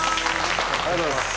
ありがとうございます。